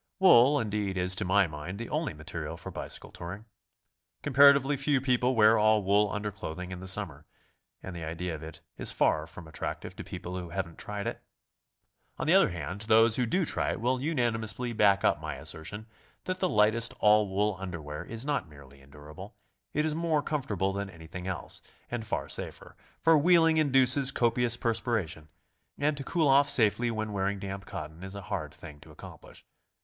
Wool, indeed, is to my mind the only material for BICYCLE TOURING. 103 bicycle touring. Comparatively few people wear all wool underclothing in the summer, and the idea of it is far from attractive to people who haven't tried it. On the other hand those who do try it will unanimously back up my assertion that the lightest all wool underwear is not merely en durable, — it is more comfortable than anything else, and far safer, for w heeling induces copious perspiration, and to cool off safely when wearing damp cotton is a hard thing to accomplish.